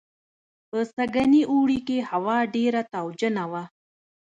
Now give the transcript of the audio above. په سږني اوړي کې هوا ډېره تاوجنه وه